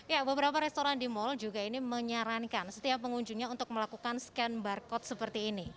ya beberapa restoran di mal juga ini menyarankan setiap pengunjungnya untuk melakukan scan barcode seperti ini